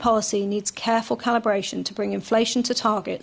polisi monetaris membutuhkan kalibrasi yang berhati hati untuk membawa inflasi menjadi target